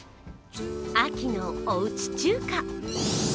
秋のおうち中華。